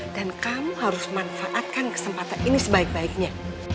kamu harus manfaatkan kesempatan ini sebaik baiknya